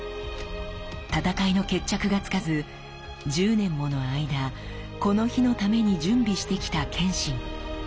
戦いの決着がつかず１０年もの間この日のために準備してきた謙信。